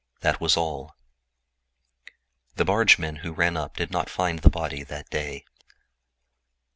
That was all. The bargemen who dragged the river did not find the body that day.